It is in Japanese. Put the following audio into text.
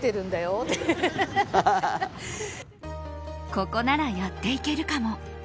ここならやっていけるかも。